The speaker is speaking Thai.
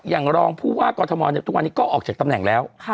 อย่างรองผู้ว่ากรทมทุกวันนี้ก็ออกจากตำแหน่งแล้ว